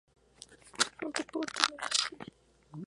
Lo encontramos situado detrás de la pantalla.